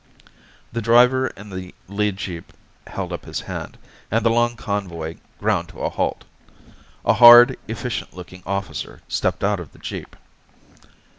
The driver in the lead jeep held up his hand, and the long convoy ground to a halt. A hard, efficient looking officer stepped out of the jeep.